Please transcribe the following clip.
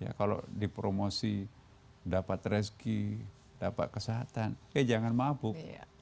ya kalau dipromosi dapat rezeki dapat kesehatan ya jangan mabuk